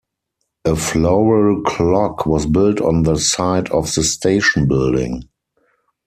A floral clock was built on the site of the station building.